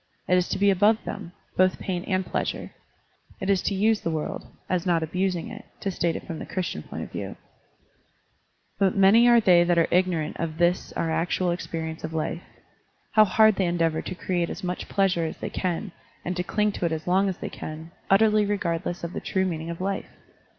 It is to be above them, both pain and pleasure. It is to use the world, as not abusing it, to state it from the Christian point of view. But many are they that are ignorant of this our actual experience of life. How bard they endeavor to create as much pleasure as they can Digitized by Google THE WHEEL OP THE GOOD LAW I07 and to cling to it as long as they can, utterly regardless of the true meaning of life!